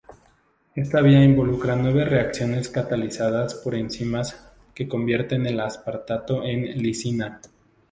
Esta vía involucra nueve reacciones catalizadas por enzimas que convierten el aspartato en lisina.